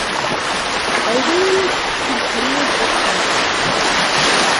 Adrian continued this policy.